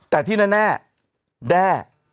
แต่ที่แน่แด้